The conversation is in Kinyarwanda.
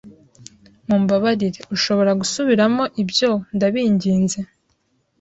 Mumbabarire, ushobora gusubiramo ibyo ndabinginze?